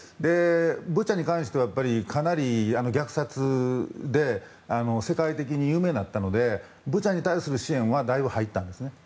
ブチャに関しては、かなり虐殺で世界的に有名になったのでブチャに対する支援はだいぶ入ったんですね。